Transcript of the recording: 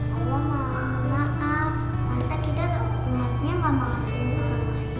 kata pak ustadz allah maaf maaf masa kita tuh umatnya gak maafin orang lain